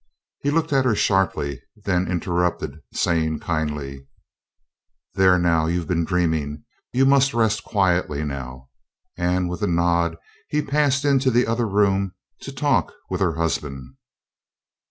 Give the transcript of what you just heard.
He looked at her sharply, then interrupted, saying kindly: "There, now; you've been dreaming. You must rest quietly now." And with a nod he passed into the other room to talk with her husband.